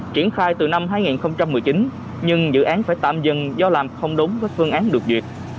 triển khai từ năm hai nghìn một mươi chín nhưng dự án phải tạm dừng do làm không đúng với phương án được duyệt